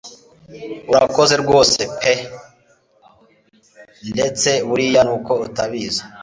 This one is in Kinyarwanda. urakoze rwose pe, ndetse buriya nuko utabizi